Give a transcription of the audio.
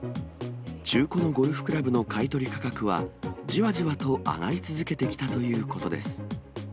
中古のゴルフクラブの買い取り価格は、じわじわと上がり続けてきたということです。